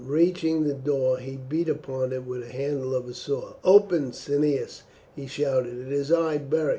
Reaching the door he beat upon it with the handle of his sword. "Open, Cneius," he shouted, "it is I, Beric."